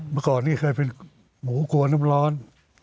เมื่อก่อนนี้เคยเป็นหมูกลัวน้ำร้อน